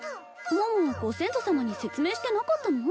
桃ご先祖様に説明してなかったの？